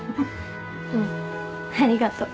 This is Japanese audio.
うんありがと。